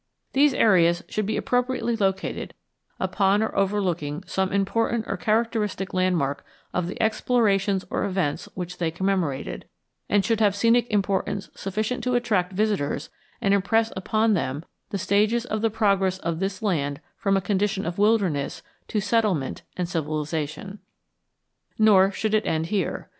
These areas should be appropriately located upon or overlooking some important or characteristic landmark of the explorations or events which they commemorated, and should have scenic importance sufficient to attract visitors and impress upon them the stages of the progress of this land from a condition of wilderness to settlement and civilization. Nor should it end here.